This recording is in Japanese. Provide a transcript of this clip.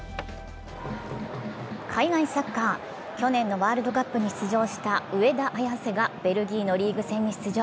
海外サッカー、去年のワールドカップに出場した上田綺世がベルギーのリーグ戦に出場。